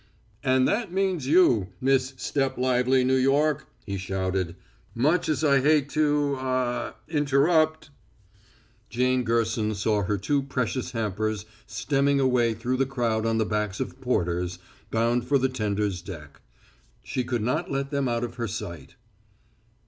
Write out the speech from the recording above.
"And that means you, Miss Step lively New York," he shouted, "much as I hate to ah interrupt." Jane Gerson saw her two precious hampers stemming a way through the crowd on the backs of porters, bound for the tender's deck. She could not let them out of her sight.